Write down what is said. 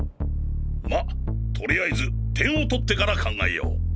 まとりあえず点を取ってから考えよう。